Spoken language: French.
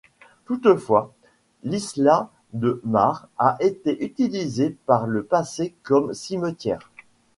Toutefois, l'isla de Mar a été utilisée par le passé comme cimetière.